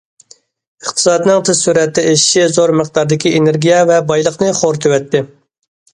ئىقتىسادنىڭ تېز سۈرئەتتە ئېشىشى زور مىقداردىكى ئېنېرگىيە ۋە بايلىقنى خورىتىۋەتتى.